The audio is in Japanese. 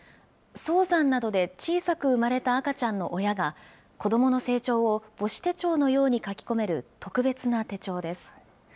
早産などで小さく産まれた赤ちゃんの親が、子どもの成長を母子手帳のように書き込める特別な手帳